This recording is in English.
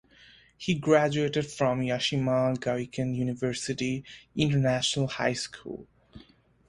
He graduated from Yashima Gakuen University International High School.